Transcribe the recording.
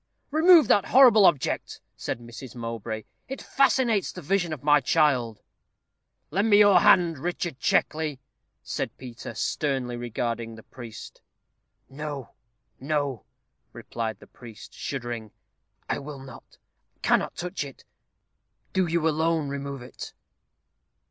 "Remove that horrible object," said Mrs. Mowbray; "it fascinates the vision of my child." "Lend me your hand, Richard Checkley," said Peter, sternly regarding the priest. "No, no," replied the priest, shuddering; "I will not, cannot touch it. Do you alone remove it."